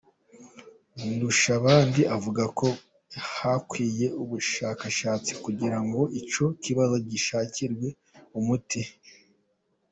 Ndushabandi avuga ko hakwiye ubushakashatsi kugira ngo icyo kibazo gishakirwe umuti.